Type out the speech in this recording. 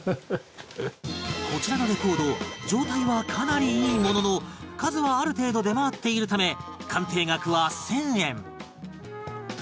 こちらのレコード状態はかなりいいものの数はある程度出回っているため鑑定額は１０００円